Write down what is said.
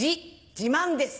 自慢です。